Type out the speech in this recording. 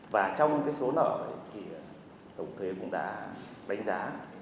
và trong cái số nợ thì tổng thuế cũng đã đánh giá